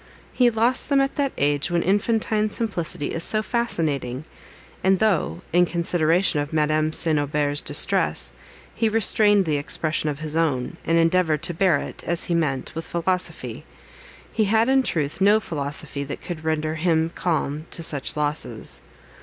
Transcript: He lost them at that age when infantine simplicity is so fascinating; and though, in consideration of Madame St. Aubert's distress, he restrained the expression of his own, and endeavoured to bear it, as he meant, with philosophy, he had, in truth, no philosophy that could render him calm to such losses.